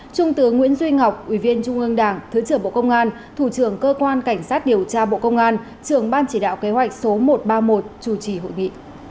trung tướng nguyễn duy ngọc ủy viên trung ương đảng thứ trưởng bộ công an thủ trưởng cơ quan cảnh sát điều tra bộ công an trưởng ban chỉ đạo kế hoạch số một trăm ba mươi một chủ trì hội nghị